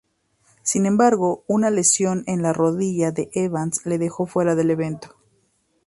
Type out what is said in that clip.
Sin embargo, una lesión en la rodilla de Evans le dejó fuera del evento.